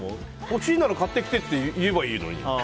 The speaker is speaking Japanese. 欲しいなら買ってきてって言えばいいのに。